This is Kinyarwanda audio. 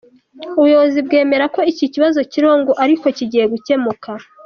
Ubuyobozi bwemera ko iki kibazo kiriho, ngo ariko kigiye gukemuka.